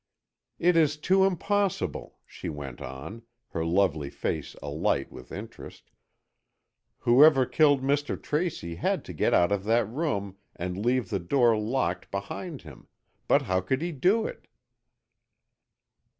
"It is too impossible," she went on, her lovely face alight with interest, "whoever killed Mr. Tracy had to get out of that room and leave the door locked behind him, but how could he do it?"